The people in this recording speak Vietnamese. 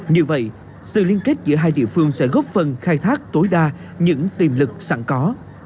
như vậy sự liên kết giữa hai địa phương sẽ góp phần khai thác tối đa những tiềm lực sẵn có